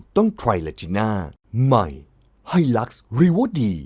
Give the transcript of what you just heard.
คงไม่รอดที่ฝันคู่กัน